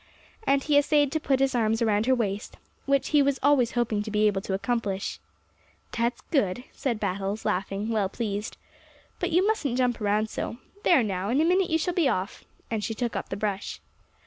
And he essayed to put his arms around her waist, which he was always hoping to be able to accomplish. "That's good," said Battles, laughing, well pleased. "But you mustn't jump around so. There now, in a minute you shall be off." And she took up the brush.